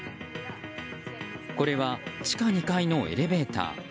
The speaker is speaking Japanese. これは、地下２階のエレベーター。